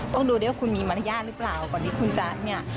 ต้องดูด้วยว่าคุณมีมารยาทหรือเปล่าก่อนที่คุณจะเนี่ย